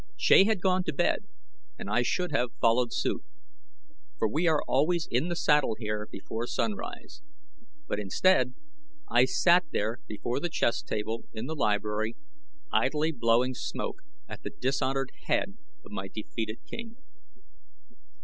Shea had gone to bed and I should have followed suit, for we are always in the saddle here before sunrise; but instead I sat there before the chess table in the library, idly blowing smoke at the dishonored head of my defeated king.